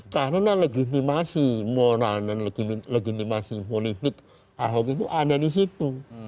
karena legitimasi moral dan legitimasi politik ahok itu ada di situ